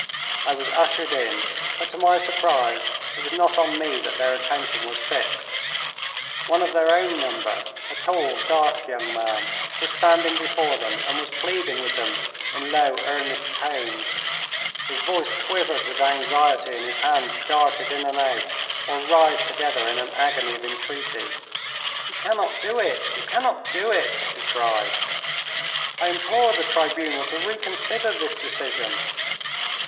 I was ushered in, but to my surprise it was not on me that their attention was fixed. One of their own number, a tall, dark young man, was standing before them and was pleading with them in low, earnest tones. His voice quivered with anxiety and his hands darted in and out or writhed together in an agony of entreaty. "You cannot do it! You cannot do it!" he cried. "I implore the tribunal to reconsider this decision."